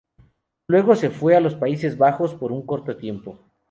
Luego se fue a los Países Bajos por un corto tiempo.